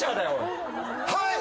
はい！